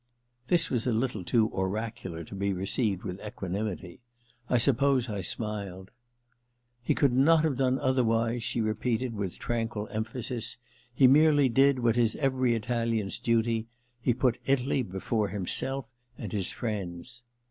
* This was a little too oracular to be received with equanimity. I suppose I smiled. * He could not have done otherwise,' she repeated with tranquil emphasis. * He merely did what is every Italian's duty — he put Italy before himself and his friends.'